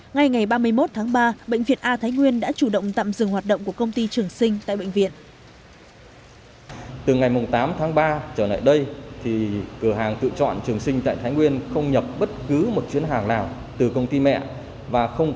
ngay ngày ba mươi một tháng ba bệnh viện a thái nguyên đã chủ động tạm dừng hoạt động của công ty trường sinh tại bệnh viện